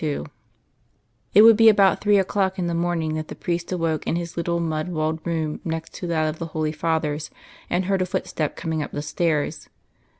II It would be about three o'clock in the morning that the priest awoke in his little mud walled room next to that of the Holy Father's, and heard a footstep coming up the stairs.